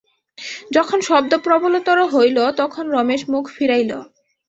শব্দ যখন প্রবলতর হইল তখন রমেশ মুখ ফিরাইল।